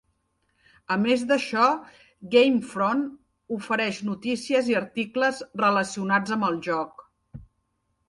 A més d'això, GameFront ofereix notícies i articles relacionats amb el joc.